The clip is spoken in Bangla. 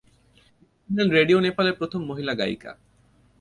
তিনি ছিলেন রেডিও নেপালের প্রথম মহিলা গায়িকা।